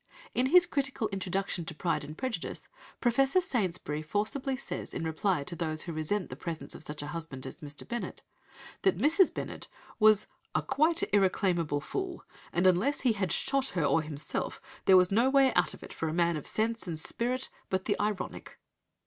In his critical introduction to Pride and Prejudice Professor Saintsbury forcibly says, in reply to those who resent the presence of such a husband as Mr. Bennet, that Mrs. Bennet was "a quite irreclaimable fool; and unless he had shot her or himself there was no way out of it for a man of sense and spirit but the ironic."